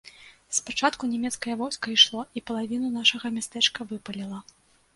Спачатку нямецкае войска ішло і палавіну нашага мястэчка выпаліла.